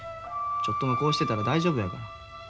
ちょっとまこうしてたら大丈夫やから。